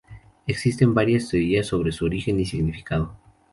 Existen varias teorías sobre su origen y significado.